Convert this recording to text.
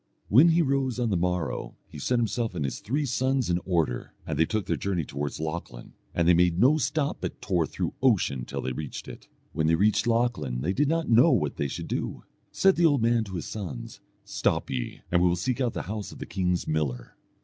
When he rose on the morrow, he set himself and his three sons in order, and they took their journey towards Lochlann, and they made no stop but tore through ocean till they reached it. When they reached Lochlann they did not know what they should do. Said the old man to his sons, "Stop ye, and we will seek out the house of the king's miller."